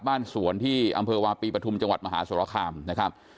บ้านสวนที่อำเภอวาปีปฐุมจังหวัดมหาสรคามนะครับ